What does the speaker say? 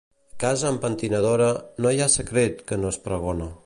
Casa amb pentinadora no hi ha secret que no es pregona.